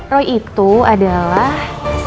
roy itu adalah